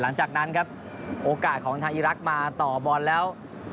หลังจากนั้นครับโอกาสของทางอีรักษ์มาต่อบอลแล้ว